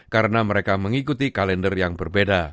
karena mereka mengikuti kalender yang berbeda